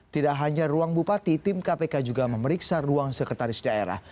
tidak hanya ruang bupati tim kpk juga memeriksa ruang sekretaris daerah